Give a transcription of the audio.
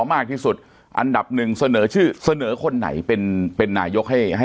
อันดับหนึ่งเสนอชื่อเสนอคนไหนเป็นนายกให้